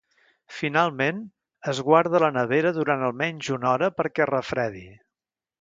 Finalment, es guarda a la nevera durant almenys una hora perquè es refredi.